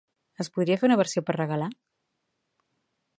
Es podria fer una versió per regalar?